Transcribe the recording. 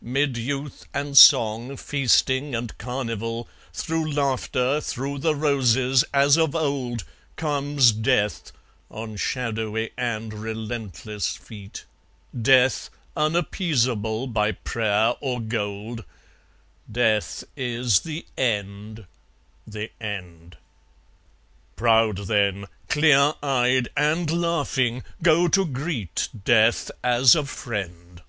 "'MID YOUTH AND SONG, FEASTING AND CARNIVAL, THROUGH LAUGHTER, THROUGH THE ROSES, AS OF OLD COMES DEATH, ON SHADOWY AND RELENTLESS FEET, DEATH, UNAPPEASABLE BY PRAYER OR GOLD; DEATH IS THE END, THE END!" Proud, then, clear eyed and laughing, go to greet Death as a friend!